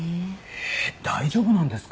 えっ大丈夫なんですか？